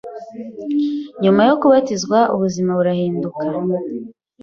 nyuma yo kubatizwa ubuzima burahinduka